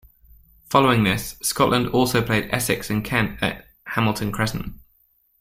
Following this, Scotland also played Essex and Kent at Hamilton Crescent.